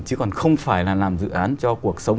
chứ còn không phải là làm dự án cho cuộc sống